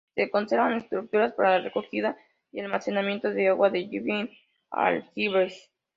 Se conservan estructuras para la recogida y almacenamiento de agua de lluvia en aljibes.